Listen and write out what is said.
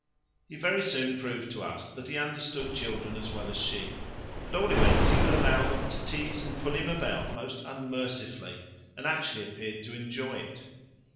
He very soon proved to us that he understood children as well as sheep; at all events he would allow them to tease and pull him about most unmercifully, and actually appeared to enjoy it.